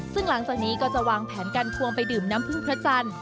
ซึ่งหลังจากนี้ก็จะวางแผนการควงไปดื่มน้ำพึ่งพระจันทร์